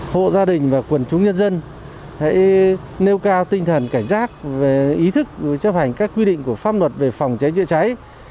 hộ gia đình và quần chúng nhân dân hãy nêu cao tinh thần cảnh giác về ý thức chấp hành các quy định của pháp luật về phòng cháy chữa cháy